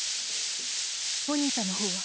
お兄さんの方は？